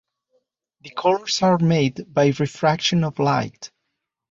The colours are made by refraction of light.